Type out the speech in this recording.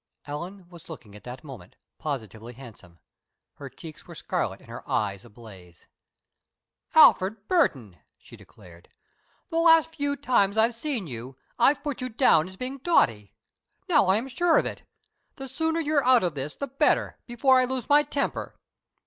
Ellen was looking at that moment positively handsome. Her cheeks were scarlet and her eyes ablaze. "Alfred Burton," she declared, "the last few times I've seen you, I've put you down as being dotty. Now I am sure of it. The sooner you're out of this, the better, before I lose my temper."